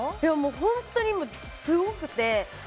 本当に、すごくて。